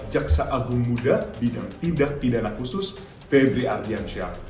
jaksa agung muda bidang tindak pidana khusus febri ardiansyah